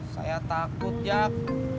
saya takut jak